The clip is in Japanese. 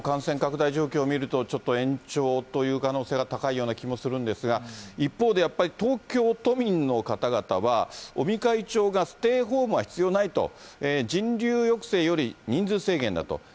ちょっと延長という可能性が高いような気もするんですが、一方で、やっぱり東京都民の方々は尾身会長がステイホームは必要ないと、人流抑制より人数制限だと。